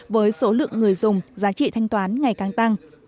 với số lượng người dùng giá trị thanh toán ngày càng tăng